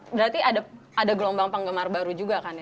berarti ada gelombang penggemar baru juga kan ya